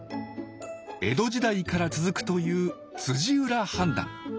江戸時代から続くという占判断。